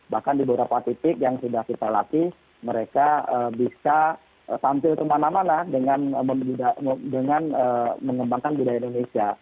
bahkan di beberapa titik yang sudah kita latih mereka bisa tampil kemana mana dengan mengembangkan budaya indonesia